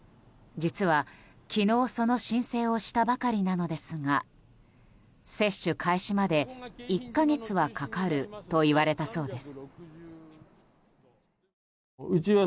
実は、昨日その申請をしたばかりなのですが接種開始まで１か月はかかると言われたそうです。